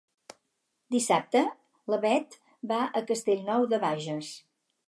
Dissabte na Bet va a Castellnou de Bages.